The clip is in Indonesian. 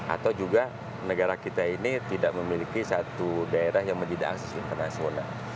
atau juga negara kita ini tidak memiliki satu daerah yang menjadi akses internasional